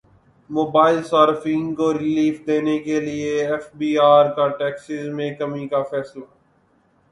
mobile صارفین کو relief دینے کیلئے ایف بی ار کا ٹیکسز میں کمی کا فیصلہ